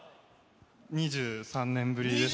２３年ぶりですね。